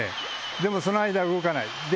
でもその間動かない。